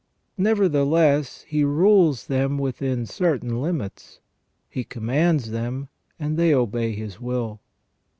Nevertheless, he rules them within certain limits ; he commands them, and they obey his will.